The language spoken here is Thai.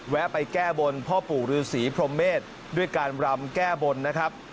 ไปแก้บนพ่อปู่ฤษีพรมเมษด้วยการรำแก้บนนะครับ